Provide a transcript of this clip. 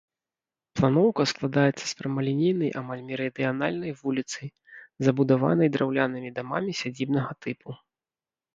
Планоўка складаецца з прамалінейнай амаль мерыдыянальнай вуліцы, забудаванай драўлянымі дамамі сядзібнага тыпу.